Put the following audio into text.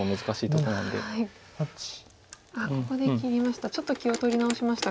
ここで切りました。